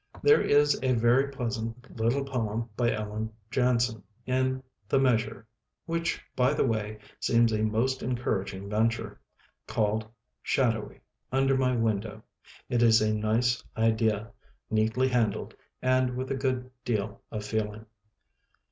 There is a very pleasant little poem by Ellen Janson, in "The Measure" (which, by the way, seems a most en couraging venture), called "Shadowy ŌĆö Under My Window". It is a nice idea, neatly handled, and with a good deal of feeling.